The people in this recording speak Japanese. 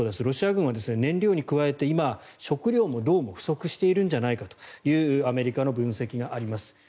ロシア軍は燃料に加えて今、食料がどうも不足しているんじゃないかというアメリカの分析があります。